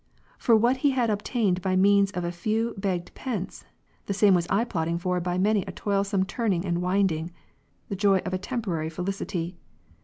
For what he had obtained by means of a few begged pence, the same was I plotting for by many a toilsome turning and winding; the joy of a temporary felicity.